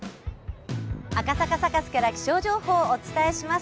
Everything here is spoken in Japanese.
赤坂サカスから気象情報をお伝えします。